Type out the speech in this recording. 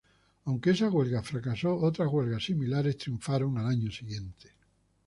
Aunque esa huelga fracasó, otras huelgas similares triunfaron al año siguiente.